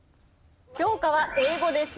教科は英語です。